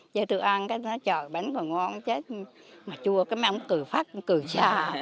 vô tôi ăn nói trời bánh còn ngon chết mà chua mấy ông cười phát cười xa